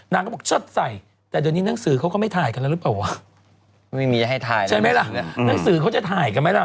นางก็บอกชัดใส่แต่เดี๋ยวนี้หนังสือเขาไม่ถ่ายกันหรือเปล่าวะ